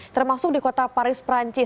termasuk di kota paris perancis